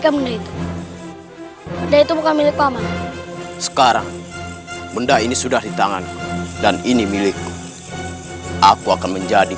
kau tidak akan mengkhianati guruku sendiri